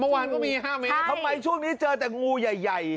เมื่อวานก็มีห้าเมตรใช่ทำไมช่วงนี้เจอแต่งูใหญ่